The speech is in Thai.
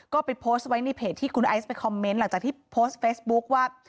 ก็ไปโพสต์ไว้ในเพจที่คุณไอซ์ไปคอมเมนต์หลังจากที่โพสต์เฟซบุ๊คว่า